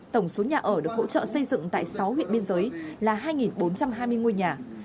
tổng số nhà ở được hỗ trợ xây dựng tại sáu huyện biên giới là hai bốn trăm hai mươi ngôi nhà